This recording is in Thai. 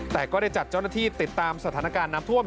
แต่ก็ได้จัดเจ้าหน้าที่ติดตามสถานการณ์น้ำท่วม